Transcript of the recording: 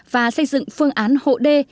và xây dựng phương án hộ đê